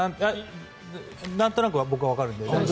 なんとなく僕はわかるので。